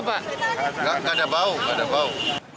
nggak ada bau ada bau